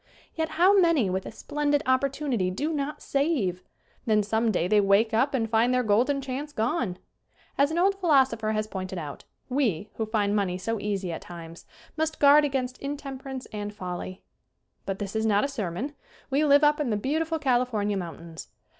Yet how many, with a splendid opportunity, do not save ! Then some day they wake up and find their golden chance gone. As an old philosopher has pointed out, we, who find money so easy at times, must guard against in temperance and folly. SCREEN ACTING 123 But this is not a sermon. We live up in the beautiful California mountains.